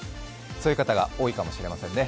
そういう方が多いかもしれませんね。